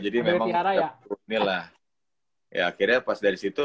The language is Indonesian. akhirnya pas dari situ